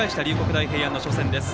大平安の初戦です。